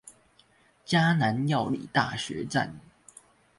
嘉南藥理大學站